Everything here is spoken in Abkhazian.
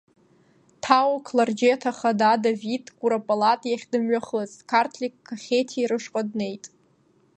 Ҭао-Қлардџьеҭ ахада Давид Куропиалат иахь дымҩахыҵт, Қарҭли Кахеҭиеи рышҟа днеит.